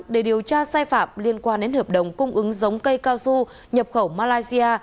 để điều tra sai phạm liên quan đến hợp đồng cung ứng giống cây cao su nhập khẩu malaysia